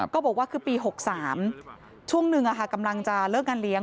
บอกว่าคือปี๖๓ช่วงหนึ่งกำลังจะเลิกงานเลี้ยง